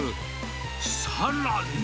さらに。